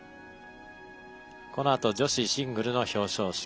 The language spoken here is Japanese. このあと、女子シングルの表彰式。